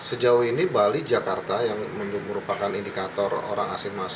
sejauh ini bali jakarta yang merupakan indikator orang asing